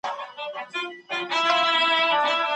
مړ سړی او ږیره باید په ګڼ ډګر کي ښکاره سي.